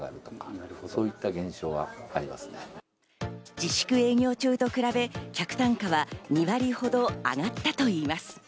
自粛営業中と比べ客単価は２割ほど上がったといいます。